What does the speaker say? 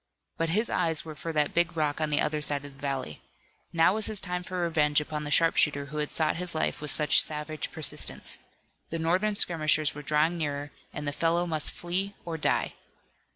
But his eyes were for that big rock on the other side of the valley. Now was his time for revenge upon the sharpshooter who had sought his life with such savage persistence. The Northern skirmishers were drawing nearer and the fellow must flee or die.